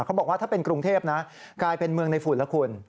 เขาบอกว่าถ้าเป็นกรุงเทพนะกลายเป็นเมืองในฝุ่นละคุณ